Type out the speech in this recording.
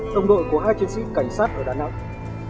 đồng đội của hai chiến sĩ cảnh sát ở đà nẵng